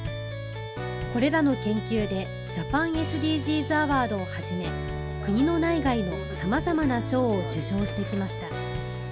これらの研究で、ジャパンＳＤＧｓアワードをはじめ、国の内外の様々な賞を受賞してきました。